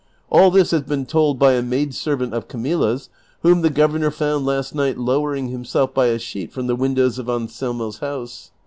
All this has been told by a maid servant of Camilla's, whom the governor found last night lowering himself by a sheet from the windows of Anselmo's house.